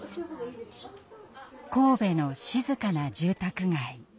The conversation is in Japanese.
神戸の静かな住宅街。